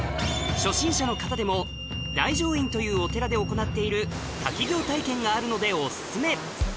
初心者の方でも大乗院というお寺で行っている滝行体験があるのでオススメ